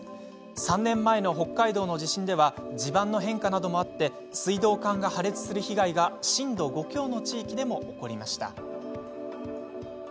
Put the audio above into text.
３年前の北海道の地震では地盤の変化などもあり水道管が破裂する被害が震度５強の地域でも起こりました。